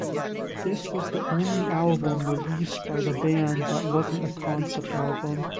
This was the only album released by the band that wasn't a concept album.